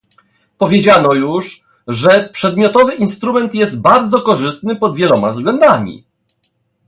Powiedziano już, że przedmiotowy instrument jest bardzo korzystny pod wieloma względami